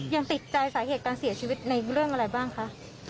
ยังติดใจสาเหตุการเสียชีวิตในเรื่องอะไรบ้างคะ